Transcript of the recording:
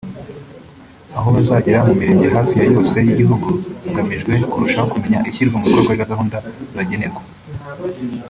aho bazagera mu Mirenge hafi ya yose y’igihugu hagamijwe kurushaho kumenya ishyirwa mu bikorwa rya gahunda zibagenerwa